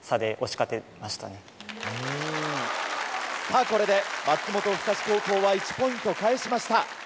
さぁこれで松本深志高校は１ポイント返しました。